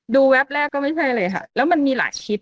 แวบแรกก็ไม่ใช่เลยค่ะแล้วมันมีหลายคลิป